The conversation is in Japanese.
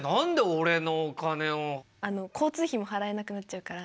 交通費も払えなくなっちゃうから。